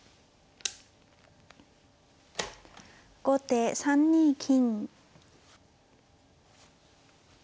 後手３二金。